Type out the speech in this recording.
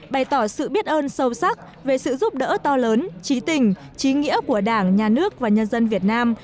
bày tỏ sự biết ơn sâu sắc về sự giúp đỡ to lớn trí tình trí nghĩa của đảng nhà nước và nhân dân việt nam